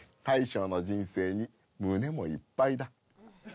大将の人生に胸もいっぱいだ。